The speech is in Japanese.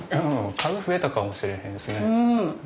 数増えたかもしれへんですね。